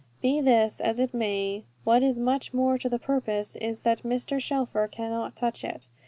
Be this as it may, what is much more to the purpose is that Mr. Shelfer cannot touch it.